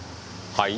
はい？